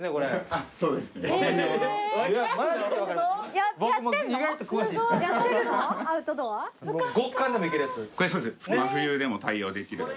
そうです真冬でも対応できる。